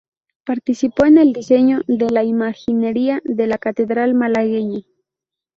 Participó en el diseño de la imaginería de la catedral malagueña.